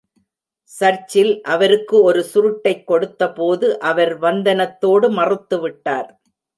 சர்ச்சில் அவருக்கு ஒரு சுருட்டைக் கொடுத்த போது அவர் வந்தனத்தோடு மறுத்துவிட்டார்.